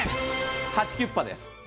ハチキュッパです。